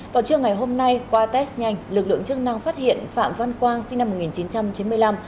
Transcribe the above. vào trưa ngày hôm nay qua test nhanh lực lượng chức năng phát hiện phạm văn quang sinh năm một nghìn chín trăm chín mươi năm